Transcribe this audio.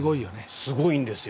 すごいんですよ。